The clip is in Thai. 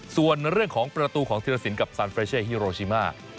ส่วนเรื่องของประตูของธิรสินกับซานเฟรเช่ฮิโรชิมา